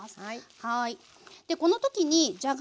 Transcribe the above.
はい。